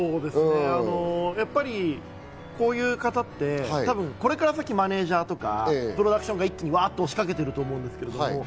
やっぱりこういう方って、これから先、マネジャーとかプロダクションが一気にワッと押しかけると思うんですけど。